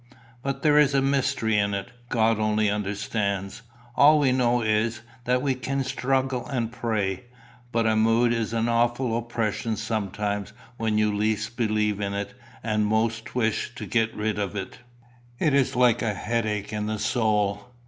But there is a mystery in it God only understands. All we know is, that we can struggle and pray. But a mood is an awful oppression sometimes when you least believe in it and most wish to get rid of it. It is like a headache in the soul."